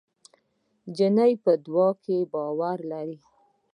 نجلۍ په دعا باور لري.